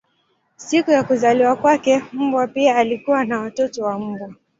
Siku ya kuzaliwa kwake mbwa pia alikuwa na watoto wa mbwa.